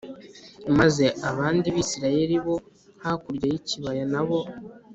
Maze abandi Bisirayeli bo hakurya y ikibaya n abo